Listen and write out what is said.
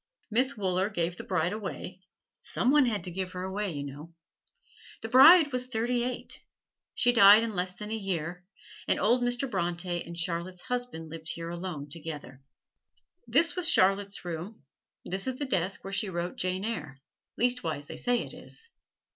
Miss Wooler gave the bride away some one had to give her away, you know. The bride was thirty eight. She died in less them a year, and old Mr. Bronte and Charlotte's husband lived here alone together. This was Charlotte's room; this is the desk where she wrote "Jane Eyre" leastwise they say it is.